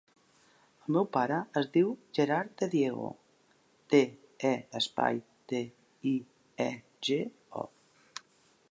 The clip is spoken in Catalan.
El meu pare es diu Gerard De Diego: de, e, espai, de, i, e, ge, o.